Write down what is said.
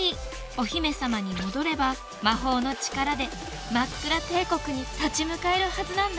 お姫様に戻れば魔法の力でマックラ帝国に立ち向かえるはずなんだ。